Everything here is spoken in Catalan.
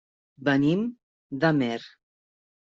Venim d'Amer.